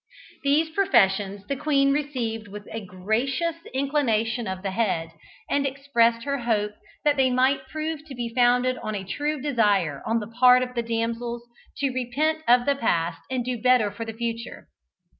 These professions the queen received with a gracious inclination of the head, and expressed her hope that they might prove to be founded on a true desire on the part of the damsels to repent of the past and do better for the future.